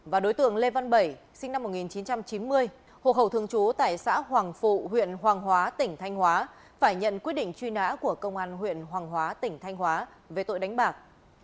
và đối tượng lê văn bảy sinh năm một nghìn chín trăm chín mươi hồ khẩu thương chú tại xã hoàng phụ huyện hoàng hóa tỉnh thanh hóa phải nhận quyết định truy nã của công an huyện hoàng hóa tỉnh thanh hóa về tội đánh bạc